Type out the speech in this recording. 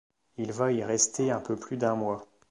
Il va y rester un peu plus d'un mois.